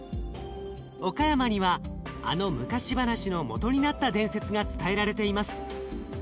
岡山にはあの昔話のもとになった伝説が伝えられています。